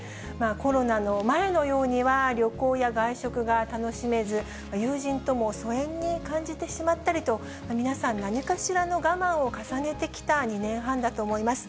コロナの前のようには旅行や外食が楽しめず、友人とも疎遠に感じてしまったりと、皆さん、何かしらの我慢を重ねてきた２年半だと思います。